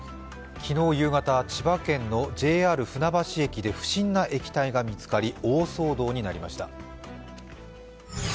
昨日夕方、千葉県のＪＲ船橋駅で不審な液体が見つかり、大騒動になりました。